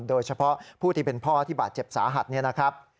โดยเฉพาะผู้ที่เป็นพ่อที่บาดเจ็บสาหัสเนี่ยนะครับ